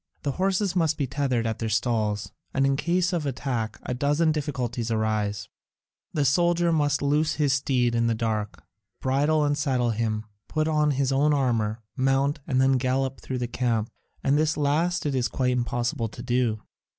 The horses must be tethered at their stalls, and in case of attack a dozen difficulties arise: the soldier must loose his steed in the dark, bridle and saddle him, put on his own armour, mount, and then gallop through the camp, and this last it is quite impossible to do.